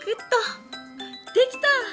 できた！